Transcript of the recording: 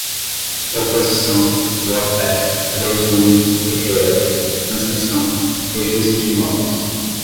oposição, boa-fé, presume, requerer, transcrição, registro de imóveis